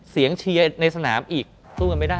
เชียร์ในสนามอีกสู้กันไม่ได้